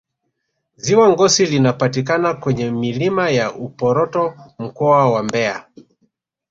Ziwa Ngosi linapatikana kwenye milima ya Uporoto Mkoa wa Mbeya